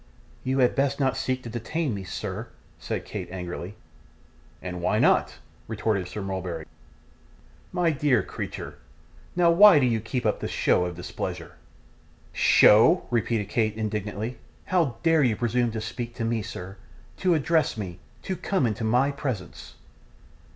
'You had best not seek to detain me, sir!' said Kate, angrily. 'And why not?' retorted Sir Mulberry. 'My dear creature, now why do you keep up this show of displeasure?' 'SHOW!' repeated Kate, indignantly. 'How dare you presume to speak to me, sir to address me to come into my presence?